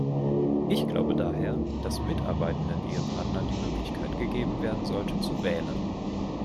Ich glaube daher, dass mitarbeitenden Ehepartnern die Möglichkeit gegeben werden sollte zu wählen.